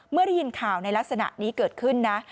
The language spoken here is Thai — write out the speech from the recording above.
ได้ยินข่าวในลักษณะนี้เกิดขึ้นนะ